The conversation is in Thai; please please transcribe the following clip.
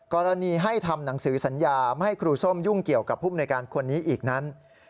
กรณีให้ทำหนังสือสัญญาไม่ให้ครูส้มยุ่งเกี่ยวกับผู้มนุยการคนนี้อีกนั้น